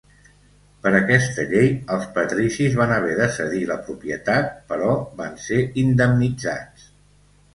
Per aquesta llei els patricis van haver de cedir la propietat però van ser indemnitzats.